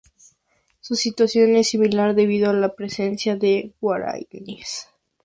Su situación es similar debido a la presencia de Guaraníes.